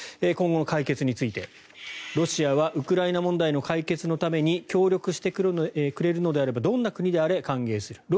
今後の解決について、ロシアはウクライナ問題の解決のために協力してくれるのであればどんな国であれ歓迎する。